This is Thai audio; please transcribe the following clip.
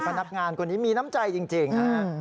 พนักงานคนนี้มีน้ำใจจริง